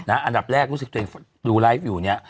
อันดับแรกรู้สึกตัวเองดูไลฟ์อยู่เนี่ย